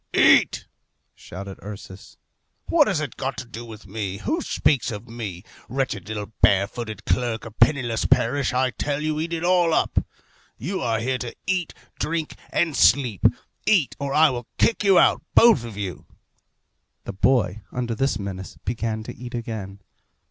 "Eat," shouted Ursus. "What has it got to do with me? Who speaks of me? Wretched little barefooted clerk of Penniless Parish, I tell you, eat it all up! You are here to eat, drink, and sleep eat, or I will kick you out, both of you." The boy, under this menace, began to eat again.